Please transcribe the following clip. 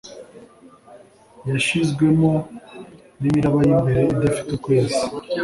Yashizwemo nimiraba yimbere idafite ukwezi